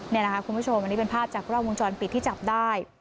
นี่แหละค่ะคุณผู้ชมอันนี้เป็นภาพจากกล้องวงจรปิดที่จับได้